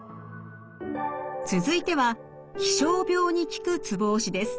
続いては気象病に効くツボ押しです。